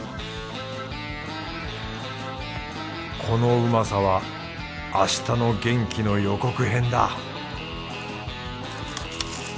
このうまさは明日の元気の予告編だ